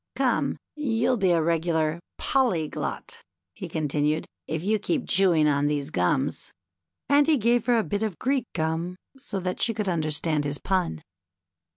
Come, you'll be a regular Polly glot," he continued, " if you keep on chewing these gums." And he gave her a bit of Greek gum so that she could understand his pun.